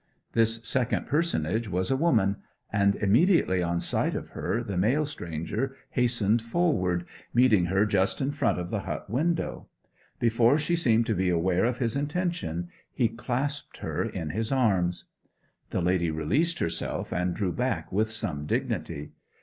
This second personage was a woman; and immediately on sight of her the male stranger hastened forward, meeting her just in front of the hut window. Before she seemed to be aware of his intention he clasped her in his arms. The lady released herself and drew back with some dignity.